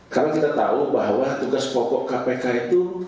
karena kita tahu bahwa tugas pokok kpk itu